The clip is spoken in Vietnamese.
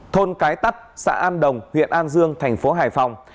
thôn cái tắt xã an đồng huyện an dương thành phố hải phòng